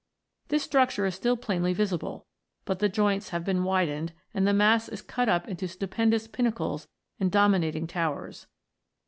This structure is still plainly visible ; but the joints have been widened, and the mass is cut up into stupendous pinnacles and domi nating towers.